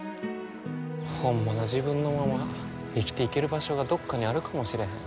ホンマの自分のまま生きていける場所がどっかにあるかもしれへん。